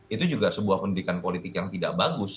itu juga sebuah pendidikan politik yang tidak bagus